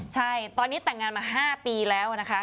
ใช่ตอนนี้แต่งงานมา๕ปีแล้วนะคะ